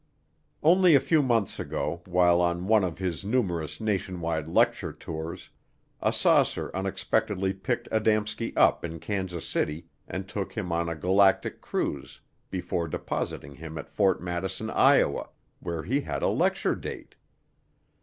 Only a few months ago, while on one of his numerous nationwide lecture tours, a saucer unexpectedly picked Adamski up in Kansas City and took him on a galactic cruise before depositing him at Ft. Madison, Iowa, where he had a lecture date.